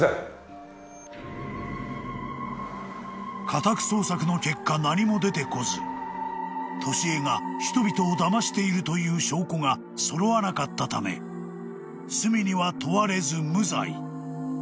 ［家宅捜索の結果何も出てこず年恵が人々をだましているという証拠が揃わなかったため罪には問われず無罪］